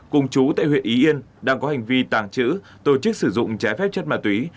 cùng chú tại huyện ý yên đang có hành vi tàng trữ tổ chức sử dụng trái phép chất ma túy